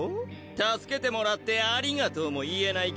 助けてもらって「ありがとう」も言えない系？